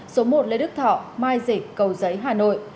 số một lê đức thọ mai dịch cầu giấy hải